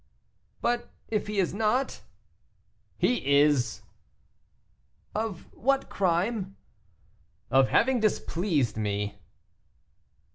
"But if he is not?" "He is." "Of what crime?" "Of having displeased me."